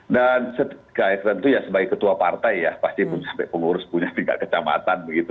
dan guys tentu ya sebagai ketua partai ya pasti pun sampai pengurus punya tingkat kecamatan begitu